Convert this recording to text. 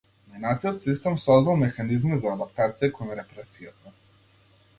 Минатиот систем создал механизми за адаптација кон репресијата.